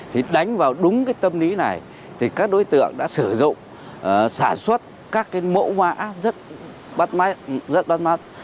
thì đánh vào đúng cái tâm lý này thì các đối tượng đã sử dụng sản xuất các cái mẫu mã rất bắt mắt rất bắt mắt